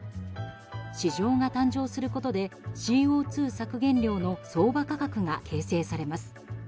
市場が誕生することでＣＯ２削減量の相場価格が形成されます。